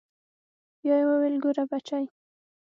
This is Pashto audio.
بيا يې وويل ګوره بچى.